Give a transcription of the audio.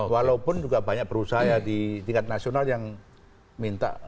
walaupun juga banyak perusahaan di tingkat nasional yang minta